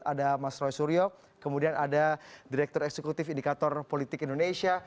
ada mas roy suryo kemudian ada direktur eksekutif indikator politik indonesia